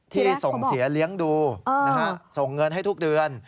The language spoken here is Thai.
ที่ส่งเสียเลี้ยงดูส่งเงินให้ทุกเดือน